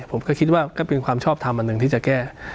ผมก็คิดว่าก็เป็นความชอบทำอันหนึ่งที่จะแก้